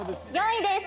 ４位です。